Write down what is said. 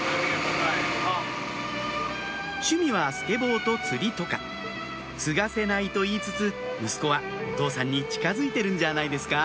趣味はスケボーと釣りとか継がせないと言いつつ息子はお父さんに近づいてるんじゃないですか？